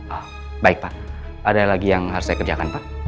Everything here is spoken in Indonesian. oh baik pak ada lagi yang harus saya kerjakan pak